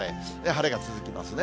晴れが続きますね。